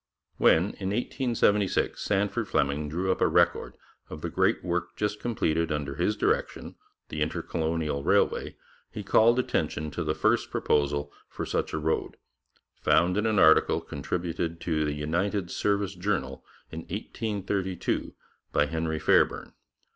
When in 1876 Sandford Fleming drew up a record of the great work just completed under his direction, the Intercolonial Railway, he called attention to the first proposal for such a road, found in an article contributed to the United Service Journal in 1832 by Henry Fairbairn.